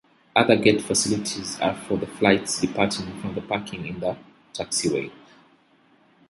Other gate facilities are for the flights departing from a parking in the taxiway.